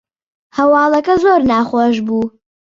هەواڵەکە زۆر ناخۆش بوو